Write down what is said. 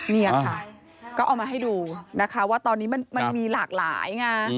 นี่ค่ะก็เอามาให้ดูนะคะว่าตอนนี้มันมีหลากหลายไง